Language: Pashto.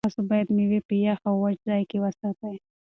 تاسو باید مېوې په یخ او وچ ځای کې وساتئ.